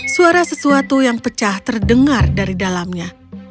suara sesuatu yang pecah terdengar dari dalamnya